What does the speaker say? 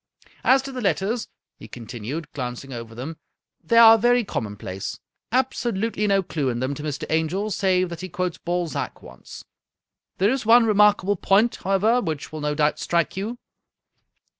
" As to the letters," he continued, glancing over them, "they are very common place. Absolutely no clew in them to Mr. Angel, save that he quotes Balzac once. There is one remarkable point, however, which will no doubt strike you."